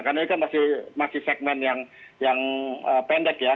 karena ini kan masih segmen yang pendek ya